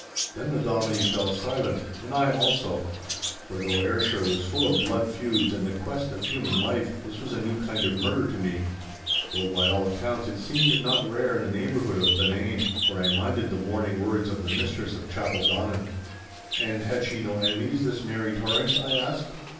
Then the Dominie fell silent, and I also, for though Ayrshire was full of blood feuds and the quest of human life, this was a new kind of murder to me—though by all accounts it seemed not rare in the neighbourhood of Benane, for I minded the warning words of the Mistress of Chapeldonnan. 'And had she no enemies, this Mary Torrance?' I asked.